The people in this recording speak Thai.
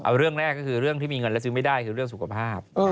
เอาเรื่องแรกก็คือเรื่องที่มีเงินแล้วซื้อไม่ได้คือเรื่องสุขภาพ